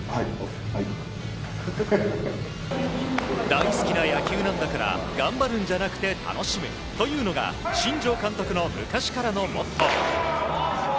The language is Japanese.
大好きな野球なんだから頑張るんじゃなくて楽しむというのが新庄監督の昔からのモットー。